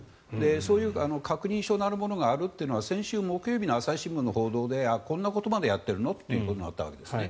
そういう確認書なるものがあるというのは先週木曜日の朝日新聞の報道でこんなことまでやっているのってことになったわけですよね。